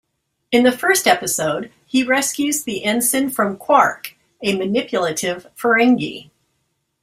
In the first episode he rescues the ensign from Quark, a manipulative Ferengi.